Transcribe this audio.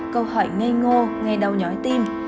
câu hỏi ngây ngô nghe đau nhói tim